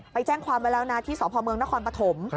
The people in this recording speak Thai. ไปแจ้งความร้อนาที่สพนครปฐม